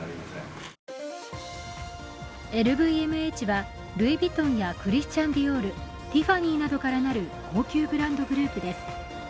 ＬＶＭＨはルイ・ヴィトンやクリスチャン・ディオール、ティファニーなどから成る高級ブランドグループです。